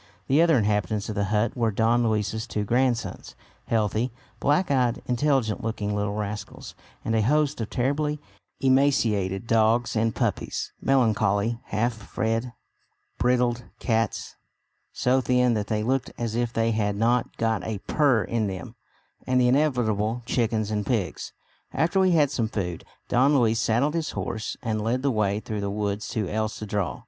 The other inhabitants of the hut were Don Luis's two grandsons, healthy, black eyed, intelligent looking little rascals, and a host of terribly emaciated dogs and puppies, melancholy half fed brindled cats, so thin that they looked as if they had not got a purr in them, and the inevitable chickens and pigs. After we had had some food, Don Luis saddled his horse and led the way through the woods to El Cedral.